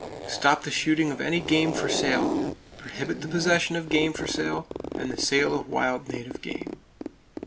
Stop the shooting of any game for sale, prohibit the possession of game for sale, and the sale of wild native game.